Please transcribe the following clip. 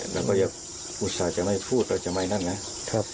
แล้วก็ยังอุตส่าห์จะไม่พูดแล้วจะมายังไงนะ